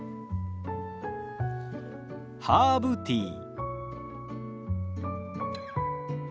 ハーブティー。